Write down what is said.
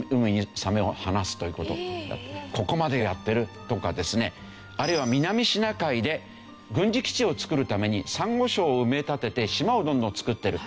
ここまでやってるとかですねあるいは南シナ海で軍事基地を造るためにサンゴ礁を埋め立てて島をどんどん造ってる。